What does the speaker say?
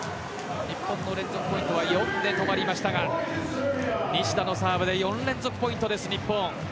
日本の連続ポイントは４で止まりましたが西田のサーブで４連続ポイントです、日本。